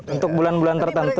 untuk bulan bulan tertentu